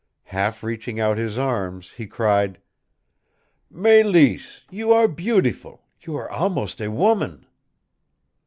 Half reaching out his arms, he cried: "Mélisse, you are beautiful you are almost a woman!"